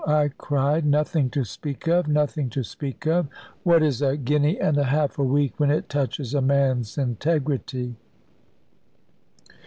I cried; "nothing to speak of! nothing to speak of! What is a guinea and a half a week when it touches a man's integrity?"